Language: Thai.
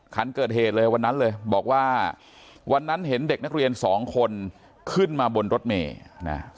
คันเกิดเหตุเลยวันนั้นเลยบอกว่าวันนั้นเห็นเด็กนักเรียนสองคนขึ้นมาบนรถเมย์นะ